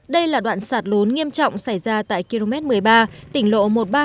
đây là đoạn sạt lún nghiêm trọng xảy ra tại km một mươi ba tỉnh lộ một trăm ba mươi